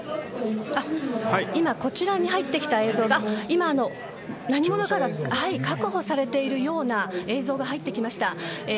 こちらに入ってきた映像が何者かが確保されているような映像が入ってきました。